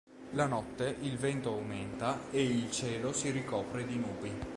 La notte il vento aumenta e il cielo si ricopre di nubi.